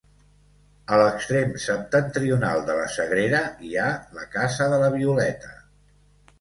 A l'extrem septentrional de la Sagrera hi ha la casa de la Violeta.